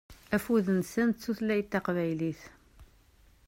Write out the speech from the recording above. Afud-nsen d tutlayt taqbaylit.